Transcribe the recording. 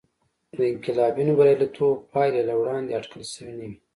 د انقلابینو بریالیتوب پایلې له وړاندې اټکل شوې نه وې.